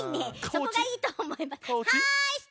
そこがいいとおもいます。